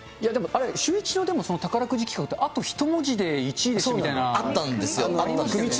シューイチの宝くじ企画ってあと１文字で１位みたいなのあっあったんですよ。